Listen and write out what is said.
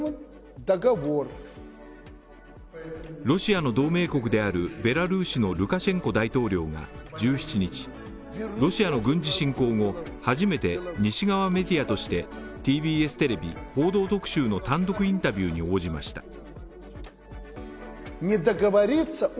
ロシアの同盟国であるベラルーシのルカシェンコ大統領が１７日、ロシアの軍事侵攻後、初めて西側メディアとしてＴＢＳテレビ「報道特集」の単独インタビューに応じました。